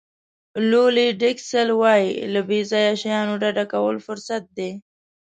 لولي ډاسکل وایي له بې ځایه شیانو ډډه کول فرصت دی.